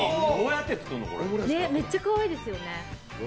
めっちゃかわいいですよね。